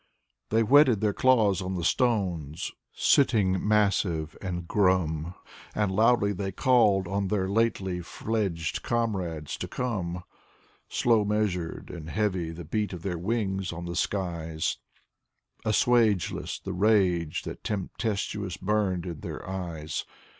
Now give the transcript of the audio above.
They whetted their claws on the stones, sitting massive and grum, And loudly they called on their lately fledged comrades to ccmie. Slow measured and heavy the beat of their wings on the skies, Assuageless the rage that tempestuous burned in their eyes.